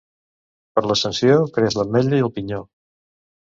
Per l'Ascensió creix l'ametlla i el pinyó.